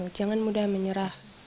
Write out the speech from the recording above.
jangan mudah menyerah